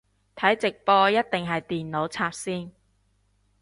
睇直播一定係電腦插線